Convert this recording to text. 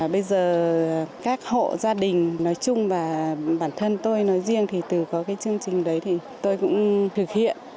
bây giờ các hộ gia đình nói chung và bản thân tôi nói riêng thì từ có cái chương trình đấy thì tôi cũng thực hiện